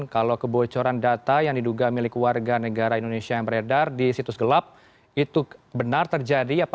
kalau kebocoran data yang diduga milik warga negara indonesia yang beredar di situs gelap itu benar terjadi